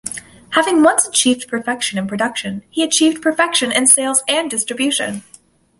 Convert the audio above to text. Having once achieved perfection in production, he achieved perfection in sales and distribution.